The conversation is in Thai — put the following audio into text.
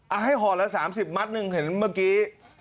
ให้ห่อละ๓๐มัดหนึ่งเห็นเมื่อกี้